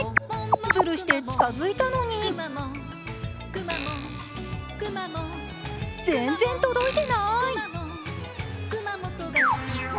ズルして近づいたのに全然届いてない。